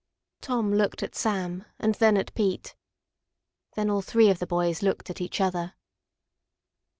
Tom looked at Sam and then at Pete. Then all three of the boys looked at each other.